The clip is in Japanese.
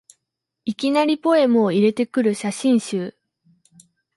いきなりポエムを入れてくる写真集